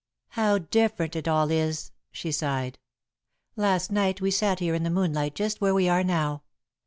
"How different it all is!" she sighed. "Last night we sat here in the moonlight, just where we are now.